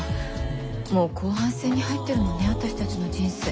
もう後半戦に入ってるのね私たちの人生。